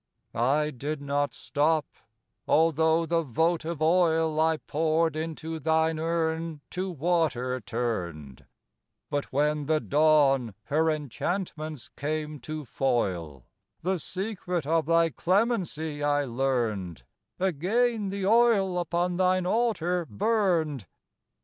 I did not stop, although the votive oil I poured into thine urn to water turned; But when the Dawn her enchantments came to foil, The secret of thy clemency I learned— Again the oil upon thine altar burned.